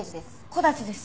木立です。